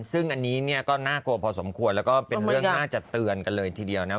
ซึ่งอันนี้เนี่ยก็น่ากลัวพอสมควรแล้วก็เป็นเรื่องน่าจะเตือนกันเลยทีเดียวนะ